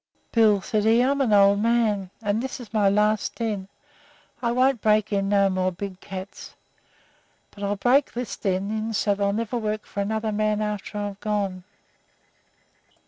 "'Bill,' said he, 'I'm an old man, and this here is my last den. I won't break in no more big cats, but I'll break this den in so they'll never work for another man after I'm gone.